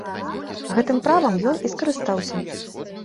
Гэтым правам ён і скарыстаўся.